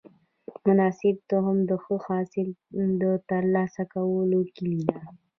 مناسب تخم د ښه حاصل د ترلاسه کولو کلي ده.